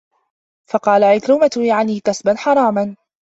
فَقَالَ عِكْرِمَةُ يَعْنِي كَسْبًا حَرَامًا